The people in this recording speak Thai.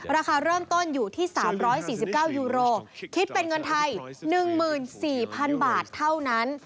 ราคาเริ่มต้นอยู่ที่๓๔๙ยูโรคิดเป็นเงินไทย๑๔๐๐๐บาทเท่านั้น